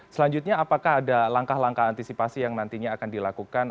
selanjutnya apakah ada langkah langkah antisipasi yang nantinya akan dilakukan